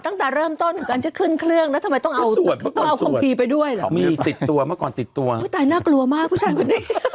อังจิหรออังจิหรออังจิหรอ